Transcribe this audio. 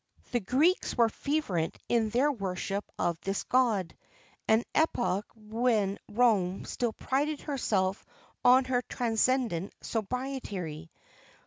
[XXX 13] The Greeks were fervent in their worship of this god, at an epoch when Rome still prided herself on her transcendant sobriety.